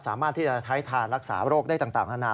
สามารถที่จะใช้ทานรักษาโรคได้ต่างนานา